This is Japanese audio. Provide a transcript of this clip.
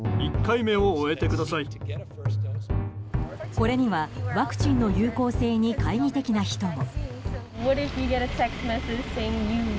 これにはワクチンの有効性に懐疑的な人も。